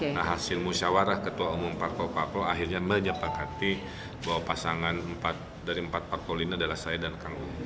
nah hasil musyawarah ketua umum parpol parpol akhirnya menyepakati bahwa pasangan dari empat parpol ini adalah saya dan kang uu